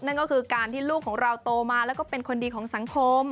นั่นก็คือการที่ลูกของเราโตมาแล้วก็เป็นคนดีของสังคม